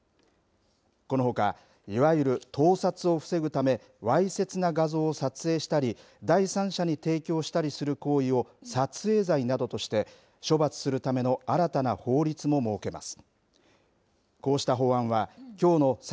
このほかいわゆる盗撮を防ぐためわいせつな画像を撮影したり第三者に提供したりする行為を撮影罪などとして処罰するための新たな法律も設けます。